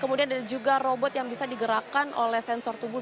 kemudian ada juga robot yang bisa digerakkan oleh sensor tubuh